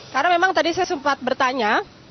karena memang tadi saya sempat bertanya